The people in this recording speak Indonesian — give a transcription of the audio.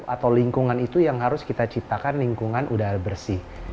atau lingkungan itu yang harus kita ciptakan lingkungan udara bersih